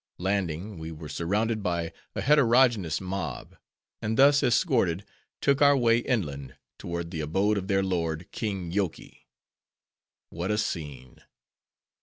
Landing, we were surrounded by a heterogeneous mob; and thus escorted, took our way inland, toward the abode of their lord, King Yoky. What a scene!